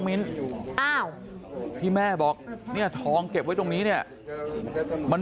เพราะไม่เคยดูไม่เคยเห็นใช่ไหม